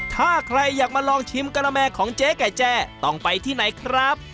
ถ้าใครอยากมาลองชิมกะละแม่ของเจ๊ไก่แจ้ต้องไปที่ไหนครับ